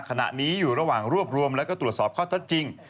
ขณะนี้อยู่ระหว่างรวบรวมแล้วก็ตรวจสอบข้อเท็จจริง